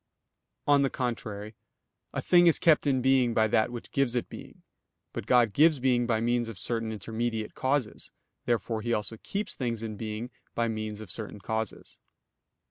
On the contrary, A thing is kept in being by that which gives it being. But God gives being by means of certain intermediate causes. Therefore He also keeps things in being by means of certain causes.